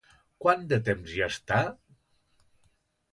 Quant de temps hi està?